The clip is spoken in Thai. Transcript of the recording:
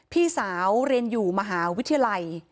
พี่สาวเรียนอยู่มหาวิทยาลัย